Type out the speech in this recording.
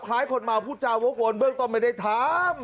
คล้ายคนเมาผู้เจ้าโว้งโกนเบื้องต้นไม่ได้ทำ